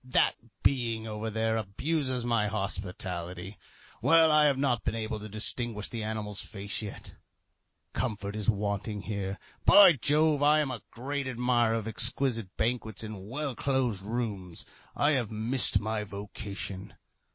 That being over there abuses my hospitality. Well, I have not been able to distinguish the animal's face yet. Comfort is wanting here. By Jove! I am a great admirer of exquisite banquets in well closed rooms. I have missed my vocation.